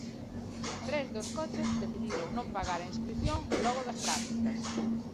Tres dos coches decidiron non pagar a inscrición logo das prácticas.